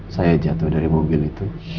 saya jatuh dari mobil itu